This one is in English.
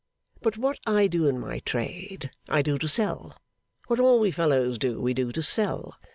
But what I do in my trade, I do to sell. What all we fellows do, we do to sell.